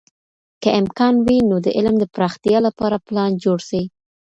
که امکان وي، نو د علم د پراختیا لپاره پلان جوړ سي.